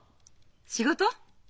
仕事？